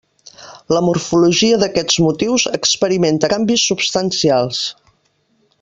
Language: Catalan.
La morfologia d'aquests motius experimenta canvis substancials.